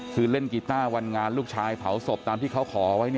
คือเล่นกีต้าวันงานลูกชายเผาศพตามที่เขาขอไว้